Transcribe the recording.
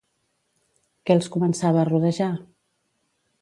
Què els començava a rodejar?